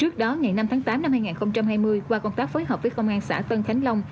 trước đó ngày năm tháng tám năm hai nghìn hai mươi qua công tác phối hợp với công an xã tân khánh long